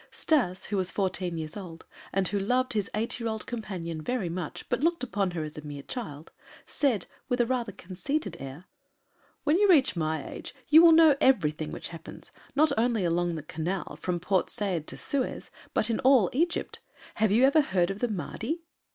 Stas, who was fourteen years old and who loved his eight year old companion very much, but looked upon her as a mere child, said with a conceited air: "When you reach my age, you will know everything which happens, not only along the Canal from Port Said to Suez, but in all Egypt. Have you ever heard of the Mahdi?"